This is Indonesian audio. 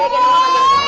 gendong mama dulu